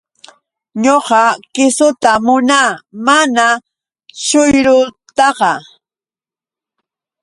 Ñuqa kiisuta munaa, mana shuyrutaqa.